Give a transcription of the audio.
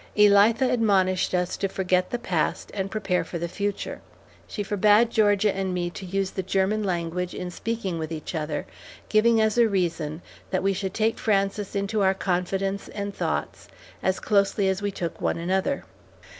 Elitha admonished us to forget the past, and prepare for the future. She forbade Georgia and me to use the German language in speaking with each other, giving as a reason that we should take Frances into our confidence and thoughts as closely as we took one another.